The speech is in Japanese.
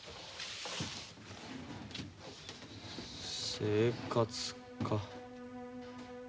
生活か。